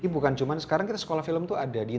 bukan cuma sekarang kita sekolah film tuh ada di